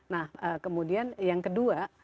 nah kemudian yang kedua